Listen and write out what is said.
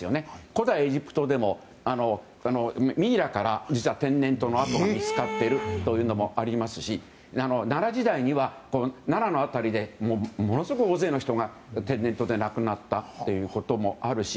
古代エジプトでもミイラから天然痘の跡が見つかっているというのもありますし奈良時代には奈良の辺りでものすごく大勢の人が天然痘で亡くなったということもあるし